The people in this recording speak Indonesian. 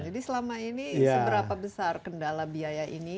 jadi selama ini seberapa besar kendala biaya ini